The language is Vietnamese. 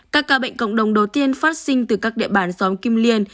các ca bệnh cộng đồng đầu tiên phát sinh từ các địa bàn xóm kim liên